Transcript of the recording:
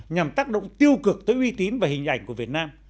nhằm tác động tiêu cực tới uy tín và hình ảnh của việt nam